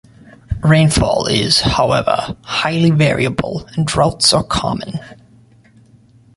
Rainfall is however highly variable, and droughts are common.